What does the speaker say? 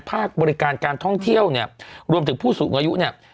ภาคบริการการท่องเที่ยวเนี่ยรวมถึงผู้สูงอายุเนี่ย